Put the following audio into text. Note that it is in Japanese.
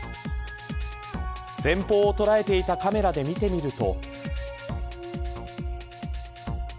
前方を捉えていたカメラで見てみると。